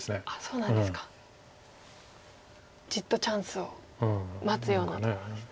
じっとチャンスを待つようなところですね。